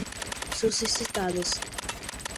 suscitadas